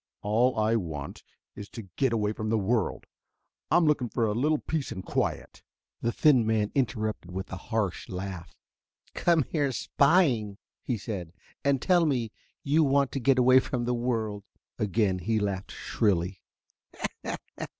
All I want is to get away from the world. I'm looking for a little peace and quiet." The thin man interrupted with a harsh laugh. "Come here spying," he said, "and tell me you want to get away from the world." Again he laughed shrilly.